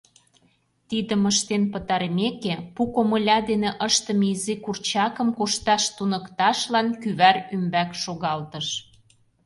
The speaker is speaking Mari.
Тидым ыштен пытарымеке, пу комыля дене ыштыме изи курчакым кошташ туныкташлан кӱвар ӱмбак шогалтыш.